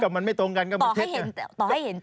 มันไม่ตรงกันก็มันเท็จ